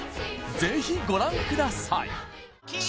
ぜひご覧ください